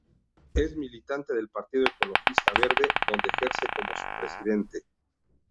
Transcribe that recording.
Es militante del Partido Ecologista Verde, donde ejerce como su presidente.